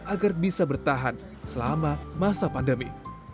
agar bisa bertahan selama masa pandemi